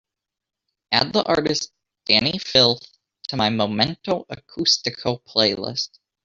add the artist dani filth to my momento acústico playlist